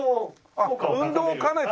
あっ運動を兼ねて。